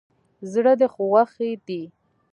زړه ده غوښی دی